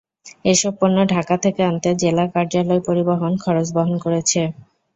এসব পণ্য ঢাকা থেকে আনতে জেলা কার্যালয় পরিবহন খরচ বহন করেছে।